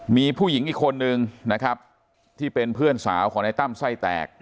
มีผู้หญิงอีกคนนึงนะครับที่เป็นเพื่อนสาวของในตั้มไส้แตก